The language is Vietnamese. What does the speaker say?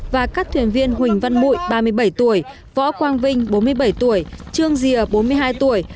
và các thuyền viên huỳnh văn mụi ba mươi bảy tuổi võ quang vinh bốn mươi bảy tuổi trương dìa bốn mươi hai tuổi